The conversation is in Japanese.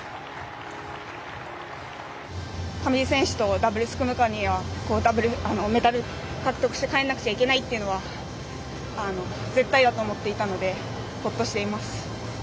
上地選手とダブルス組むからにはメダルを獲得して帰らなきゃいけないというのは絶対だと思っていたのでほっとしています。